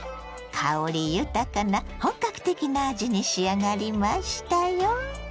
香り豊かな本格的な味に仕上がりましたよ。